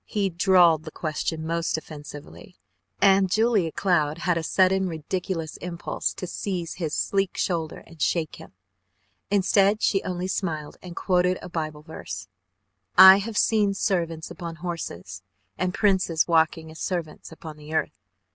He drawled the question most offensively, and Julia Cloud had a sudden ridiculous impulse to seize his sleek shoulder and shake him. Instead she only smiled and quoted a Bible verse: "I have seen servants upon horses, and princes walking as servants upon the earth."